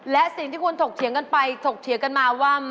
และสิ่งที่คุณถกเถียงกันไปถกเถียงกันมาว่า